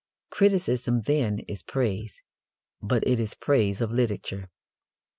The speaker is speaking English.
Criticism, then, is praise, but it is praise of literature.